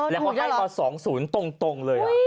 แล้วเขาให้ต่อสองศูนย์ตรงเลย